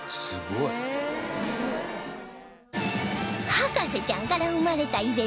『博士ちゃん』から生まれたイベント